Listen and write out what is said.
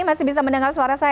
masih bisa mendengar suara saya